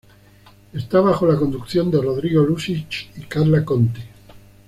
Está bajo la conducción de Rodrigo Lussich y Carla Conte.